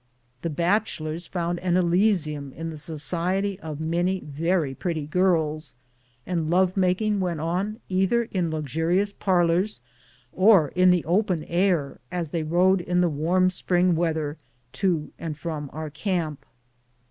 The baclielors found an elysium in the society of many very pretty girls, and love making went on either in luxurious par lors or in the open air as they rode in the warm spring weather to and from our camp.